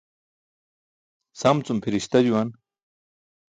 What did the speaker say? Sam cum pʰiri̇sta juwan.